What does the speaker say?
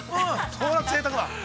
それはぜいたくだ！